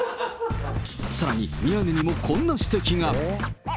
さらに、宮根にもこんな指摘が。